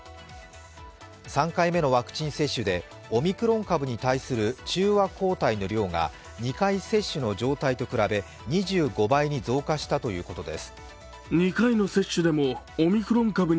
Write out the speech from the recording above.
３回目のワクチン接種でオミクロン株に対する中和抗体の量が２回接種の状態と比べ２５倍に増加したということです。